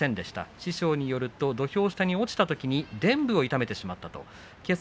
師匠によると土俵下に落ちたときにでん部を痛めてしまったということです。